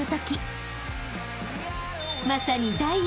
［まさに］